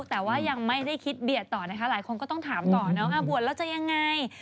แต่ว่ายังไม่ได้คิดเบียดต่อนะคะหลายคนก็ต้องถามต่อนะว่าบวชแล้วจะยังไง